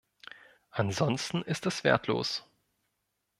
Ansonsten ist es wertlos.